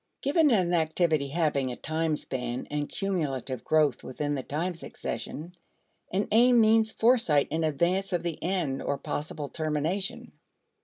Given an activity having a time span and cumulative growth within the time succession, an aim means foresight in advance of the end or possible termination.